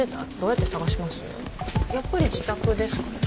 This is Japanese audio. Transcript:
やっぱり自宅ですかね。